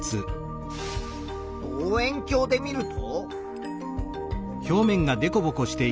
望遠鏡で見ると。